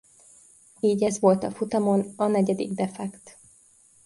Így ez volt a futamon a negyedik defekt.